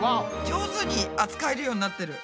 上手に扱えるようになってる。